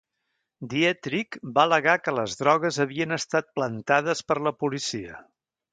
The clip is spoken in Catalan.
Dietrich va al·legar que les drogues havien estat plantades per la policia.